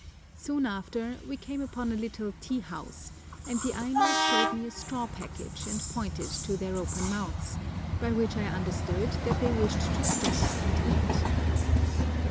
Soon after we came upon a little tea house, and the Ainos showed me a straw package, and pointed to their open mouths, by which I understood that they wished to stop and eat.